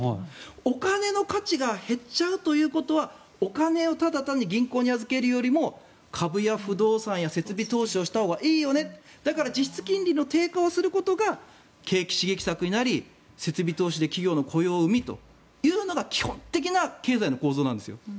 お金の価値が減っちゃうということはお金をただ単に銀行に預けるよりも株や不動産や設備投資をしたほうがいいよねだから実質金利の低下をすることが景気刺激策になり設備投資で企業の雇用を生みというのが基本的な経済の構造なんですよ。